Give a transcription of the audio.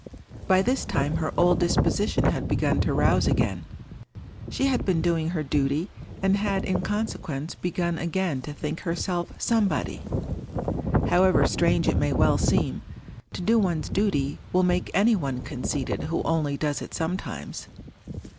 By this time her old disposition had begun to rouse again. She had been doing her duty, and had in consequence begun again to think herself Somebody. However strange it may well seem, to do one's duty will make any one conceited who only does it sometimes.